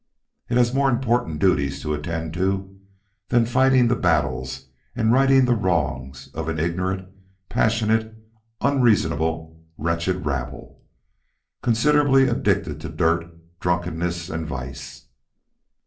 It has more important duties to attend to than fighting the battles and righting the wrongs of an ignorant, passionate, unreasonable, wretched rabble, considerably addicted to dirt, drunkenness, and vice.